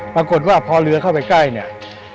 ปรากฏว่าพอเรือเข้าไปใกล้เนี่ย